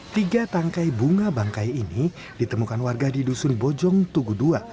tiga tangkai bunga bangkai ini ditemukan warga di dusun bojong tugu ii